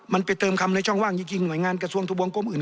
มันไปเติมคำในช่องว่างจริงหน่วยงานกระทรวงทะวงกลมอื่น